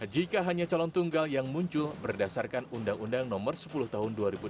jika hanya calon tunggal yang muncul berdasarkan undang undang nomor sepuluh tahun dua ribu delapan